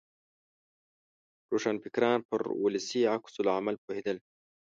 روښانفکران پر ولسي عکس العمل پوهېدل.